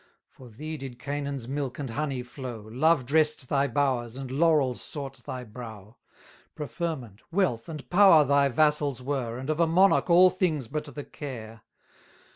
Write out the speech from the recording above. For thee did Canaan's milk and honey flow, Love dress'd thy bowers, and laurels sought thy brow; 880 Preferment, wealth, and power thy vassals were, And of a monarch all things but the care.